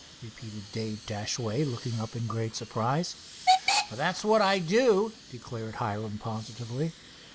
repeated Dave Dashaway, looking up in great surprise. "That's what I do," declared Hiram positively.